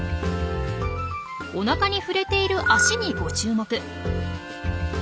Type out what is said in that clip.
おなかに触れている足にご注目。